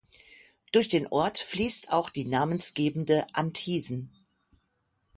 Durch den Ort fließt auch die namensgebende Antiesen.